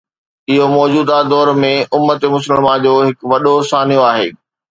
اهو موجوده دور ۾ امت مسلمه جو هڪ وڏو سانحو آهي